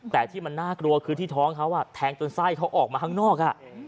แต่ที่มันน่ากลัวคือที่ท้องเขาแทงจนไส้เขาออกมาข้างนอก